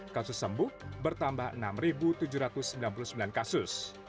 kasus sembuh bertambah enam tujuh ratus sembilan puluh sembilan kasus